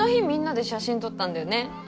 みんなで写真撮ったんだよね。